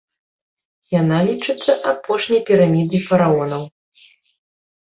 Яна лічыцца апошняй пірамідай фараонаў.